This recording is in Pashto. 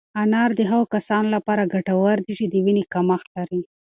انار د هغو کسانو لپاره ګټور دی چې د وینې کمښت لري.